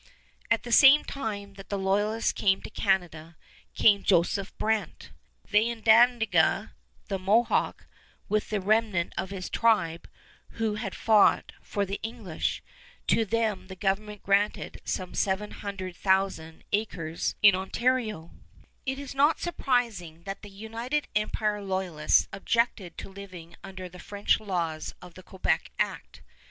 At the same time that the Loyalists came to Canada, came Joseph Brant, Thayendanegea, the Mohawk, with the remnant of his tribe, who had fought for the English. To them the government granted some 700,000 acres in Ontario. [Illustration: JOSEPH BRANT] It is not surprising that the United Empire Loyalists objected to living under the French laws of the Quebec Act.